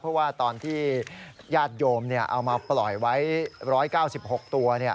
เพราะว่าตอนที่ญาติโยมเอามาปล่อยไว้๑๙๖ตัว